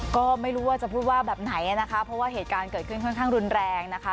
ก็ไม่รู้ว่าจะพูดว่าแบบไหนนะคะเพราะว่าเหตุการณ์เกิดขึ้นค่อนข้างรุนแรงนะคะ